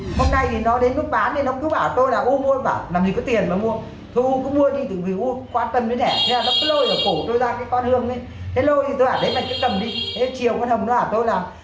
hôm nay nó đến nước bán